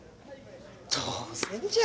当然じゃろ。